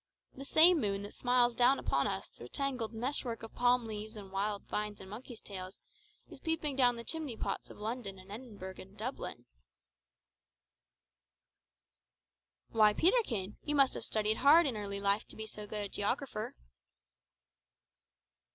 The same moon that smiles down upon us through a tangled mesh work of palm leaves and wild vines and monkeys' tails, is peeping down the chimney pots of London and Edinburgh and Dublin!" "Why, Peterkin, you must have studied hard in early life to be so good a geographer."